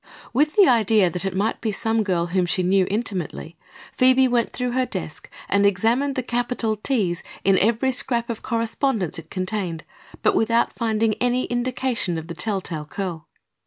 With the idea that it might be some girl whom she intimately knew Phoebe went through her desk and examined the capital T's in every scrap of correspondence it contained, but without finding any indication of the telltale curl.